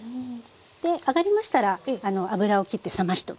で揚がりましたら油をきって冷ましておきます。